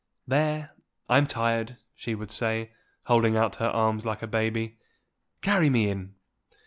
"There! I'm tired," she would say, holding out her arms like a baby. "Carry me in."